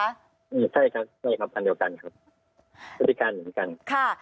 อืมใช่ครับใช่ครับอันเดียวกันครับอันเดียวกันอันเดียวกันค่ะ